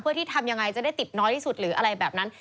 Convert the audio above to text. เพื่อที่ทำยังไงจะได้ติดน้อยที่สุดหรืออะไรแบบนั้น